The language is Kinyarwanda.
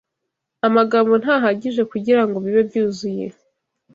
Amagambo ntahagije kugirango bibe byuzuye